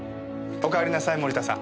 お帰りなさい森田さん。